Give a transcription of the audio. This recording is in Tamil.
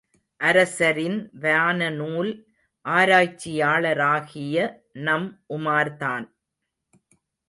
அரசரின் வானநூல் ஆராய்ச்சியாளராகிய நம் உமார்தான்!